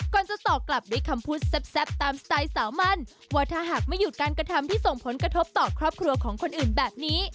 จะตอบกลับด้วยคำพูดแซ่บตามสไตล์สาวมั่นว่าถ้าหากไม่หยุดการกระทำที่ส่งผลกระทบต่อครอบครัวของคนอื่นแบบนี้